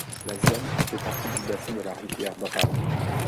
La zone fait partie du bassin de la rivière Drave.